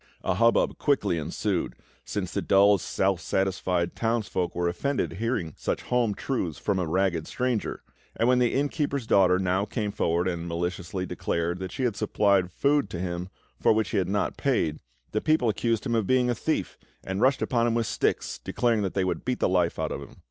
A hubbub quickly ensued, since the dull, self satisfied townsfolk were offended at hearing such home truths from a ragged stranger; and when the inn keeper's daughter now came forward and maliciously declared that she had supplied food to him for which he had not paid, the people accused him of being a thief, and rushed upon him with sticks, declaring that they would beat the life out of him.